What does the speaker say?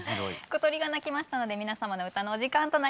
小鳥が鳴きましたので皆様で歌のお時間となります。